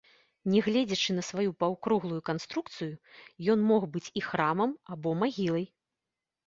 Нягледзячы на сваю паўкруглую канструкцыю, ён мог быць і храмам або магілай.